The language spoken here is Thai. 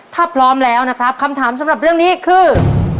ถ้าพร้อมแล้วนะครับคำถามสำหรับเรื่องนี้คือ